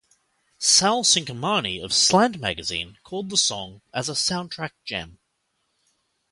Sal Cinquemani of Slant Magazine called the song as a "soundtrack gem".